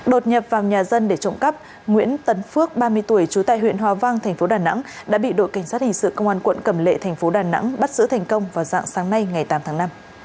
đột nhập vào nhà dân để trộm cắp nguyễn tấn phước ba mươi tuổi trú tại huyện hòa vang thành phố đà nẵng đã bị đội cảnh sát hình sự công an quận cầm lệ thành phố đà nẵng bắt giữ thành công vào dạng sáng nay ngày tám tháng năm